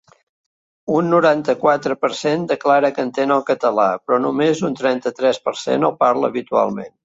Un noranta-quatre per cent declara que entén el català, però només un trenta-tres per cent el parla habitualment.